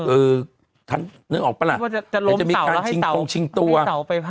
เออค่ะนึกออกปะน่ะว่าจะจะมีสาวแล้วชิงตัวเออมีสาวไป